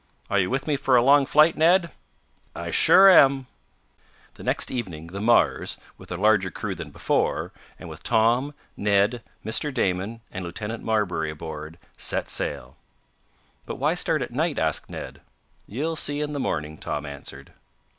"Are you with me for a long flight, Ned?" "I sure am!" The next evening the Mars, with a larger crew than before, and with Tom, Ned, Mr. Damon and Lieutenant Marbury aboard, set sail. "But why start at night?" asked Ned. "You'll see in the morning," Tom answered.